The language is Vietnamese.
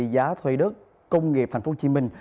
giá thuê đất công nghiệp thành phố hồ chí minh